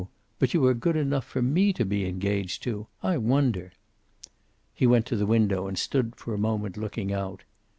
But you are good enough for me to be engaged to! I wonder!" He went to the window and stood for a moment looking out.